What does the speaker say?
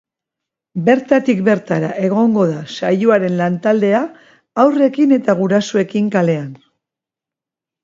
Bertatik bertara egongo da saioaren lantaldea haurrekin eta gurasoekin kalean.